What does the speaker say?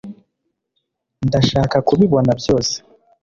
ndashaka kubibona byose